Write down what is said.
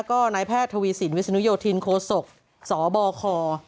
ก็นายแพทย์ทวีสินวิศนุโยธินโคศกสบค